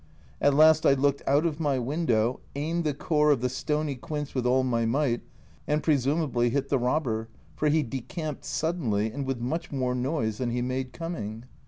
At last I looked out of my window, aimed the core of the stony quince with all my might, and pre sumably hit the robber, for he decamped suddenly, and with much more noise than he made coming.